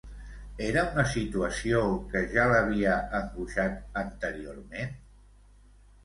Era una situació que ja l'havia angoixat anteriorment?